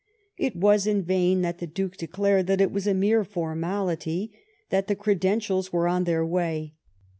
It was in vain that the Duke declared that it was a mere formality, that the credentials were on their way.